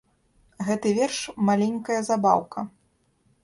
Гэты верш маленькая забаўка.